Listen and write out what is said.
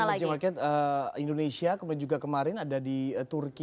emerging market indonesia kemudian juga kemarin ada di turki